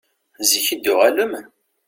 Zik i d-tuɣalem?